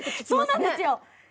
そうなんですよ。